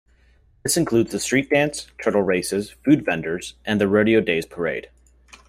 This includes the Street Dance, Turtle Races, food vendors, and the Rodeo Daze Parade.